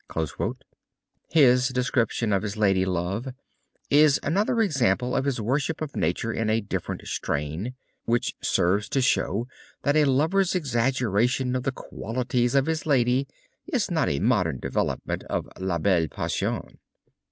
His description of his lady love is another example of his worship of nature in a different strain, which serves to show that a lover's exaggeration of the qualities of his lady is not a modern development of la belle passion.